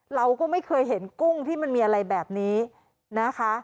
เราก็ไม่เคยเห็นกุ้งที่มันมีอะไรแบบนี้นะคะ